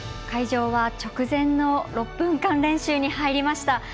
会場は、直前の６分間練習に入りました。